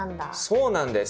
そうなんです。